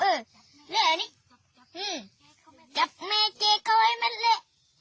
เอ๊ะเละนี่จับแม่เจ๋เขาไว้มันเละ